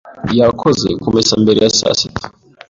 yakoze kumesa mbere ya sasita.